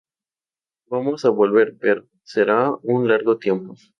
Vamos a volver pero, será un largo tiempo.